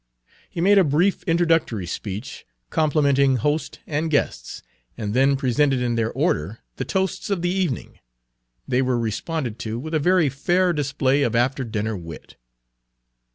He made a brief introductory speech, complimenting host and guests, and then presented in their order the toasts of the evening. They were responded to with a very fair display of after dinner wit.